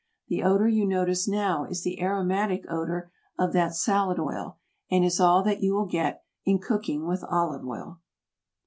The odor you notice now is the aromatic odor of that salad oil, and is all that you will get in cooking with olive oil.